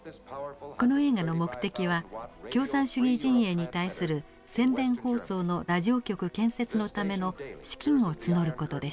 この映画の目的は共産主義陣営に対する宣伝放送のラジオ局建設のための資金を募る事でした。